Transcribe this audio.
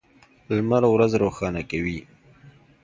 لمر ورځ روښانه کوي.